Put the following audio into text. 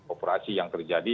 operasi yang terjadi